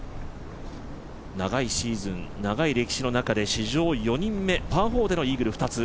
長いシーズン、長い歴史の中で史上４人目、パー４でのイーグル２つ。